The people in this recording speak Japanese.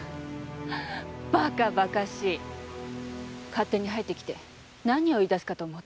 勝手に入ってきて何を言いだすかと思ったら。